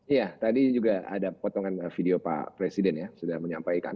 iya tadi juga ada potongan video pak presiden ya sudah menyampaikan